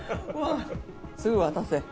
王すぐ渡せ。